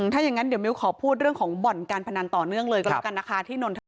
ถ้าอย่างนั้นเดี๋ยวมิวขอพูดเรื่องของบ่อนการพนันต่อเนื่องเลยกันนะคะ